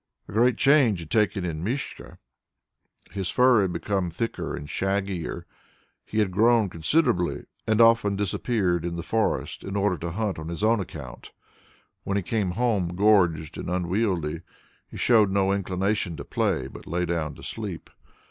A great change had taken place in Mischka. His fur had become thicker and shaggier, he had grown considerably and often disappeared in the forest in order to hunt on his own account. When he came home, gorged and unwieldy, he showed no inclination to play, but lay down to sleep.